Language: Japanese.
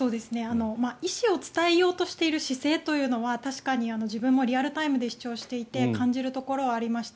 意思を伝えようとしている姿勢というのは確かに自分もリアルタイムで視聴していて感じるところはありました。